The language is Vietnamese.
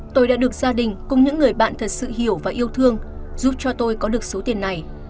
tôi đã được gia đình cùng những người bạn thật sự hiểu và yêu thương giúp cho tôi có được số tiền này